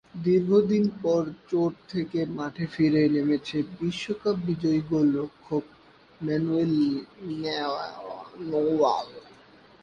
দীর্ঘদিন পর চোট থেকে ফিরে মাঠে নেমেছেন বিশ্বকাপজয়ী গোলরক্ষক ম্যানুয়েল নয়্যার।